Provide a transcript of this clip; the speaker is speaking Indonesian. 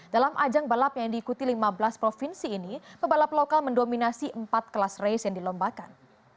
dalam ajang balap yang diikuti lima belas provinsi ini pebalap lokal mendominasi empat kelas race yang dilombakan